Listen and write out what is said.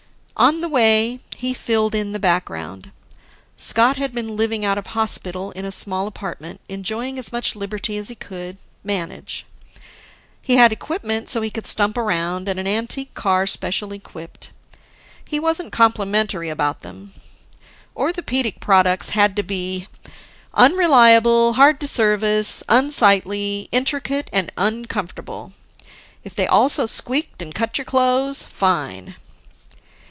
On the way, he filled in background. Scott had been living out of hospital in a small apartment, enjoying as much liberty as he could manage. He had equipment so he could stump around, and an antique car specially equipped. He wasn't complimentary about them. Orthopedic products had to be: unreliable, hard to service, unsightly, intricate, and uncomfortable. If they also squeaked and cut your clothes, fine!